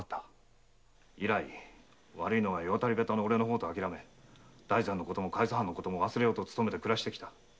以来悪いのは世渡り下手の俺の方とあきらめ大膳も海津藩のことも忘れようとつとめて暮らしてきた。